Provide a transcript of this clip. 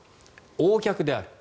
Ｏ脚である。